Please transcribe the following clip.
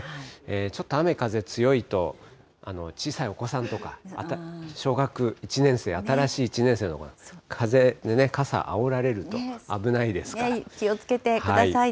ちょっと雨風強いと、小さいお子さんとか、小学１年生、新しい１年生の子なんか、風で傘あおられ気をつけてくださいね。